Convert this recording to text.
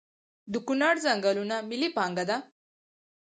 د کنړ ځنګلونه ملي پانګه ده؟